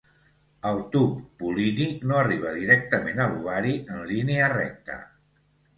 El tub pol·línic no arriba directament a l'ovari en línia recta.